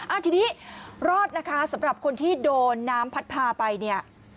อ่าทีนี้รอดนะคะสำหรับคนที่โดนน้ำพัดพาไปเนี่ย